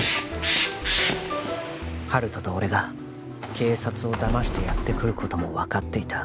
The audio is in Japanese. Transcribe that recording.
温人と俺が警察をだましてやってくることも分かっていた